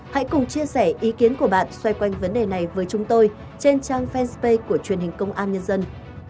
hãy cùng chia sẻ ý kiến của bạn xoay quanh vấn đề này với chúng tôi trên trang fanpage của truyền hình công an nhân dân